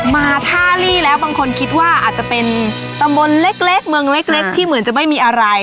มาท่าลี่แล้วบางคนคิดว่าอาจจะเป็นตำบลเล็กเมืองเล็กที่เหมือนจะไม่มีอะไร